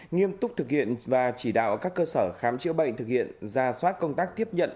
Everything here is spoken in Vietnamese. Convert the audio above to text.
nghiêm túc thực hiện và chỉ đạo các cơ sở khám chữa bệnh thực hiện ra soát công tác tiếp nhận